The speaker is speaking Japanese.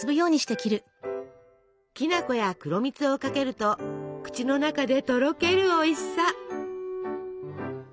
きな粉や黒蜜をかけると口の中でとろけるおいしさ！